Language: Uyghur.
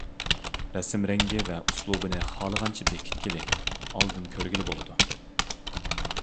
رەسىم رەڭگى ۋە ئۇسلۇبىنى خالىغانچە بېكىتكىلى، ئالدىن كۆرگىلى بولىدۇ.